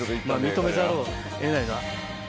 認めざるを得ない。